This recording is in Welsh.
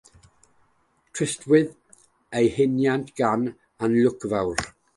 Tristawyd ei henaint gan anlwc fawr.